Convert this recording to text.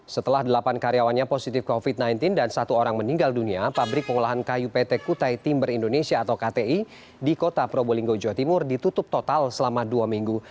setelah delapan karyawannya positif covid sembilan belas dan satu orang meninggal dunia pabrik pengolahan kayu pt kutai timber indonesia atau kti di kota probolinggo jawa timur ditutup total selama dua minggu